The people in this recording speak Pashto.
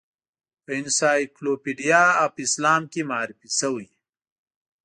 په انسایکلوپیډیا آف اسلام کې معرفي شوې.